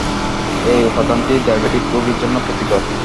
এই উপাদানটি ডায়াবেটিক রোগীর জন্য ক্ষতিকর।